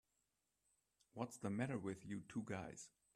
What's the matter with you two guys?